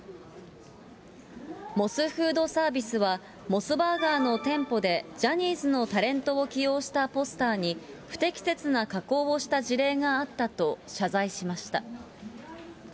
モスフードサービスは、モスバーガーの店舗でジャニーズのタレントを起用したポスターに不適切な加工をした事例があったと謝罪しました。